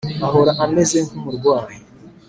ahora ameze nk’umurwayi